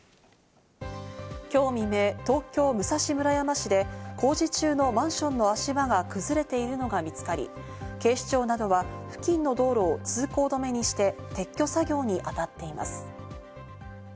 今日未明、東京・武蔵村山市で工事中のマンションの足場が崩れているのが見つかり、警視庁などは付近の道路を通行止めにして撤去作業にあたっています。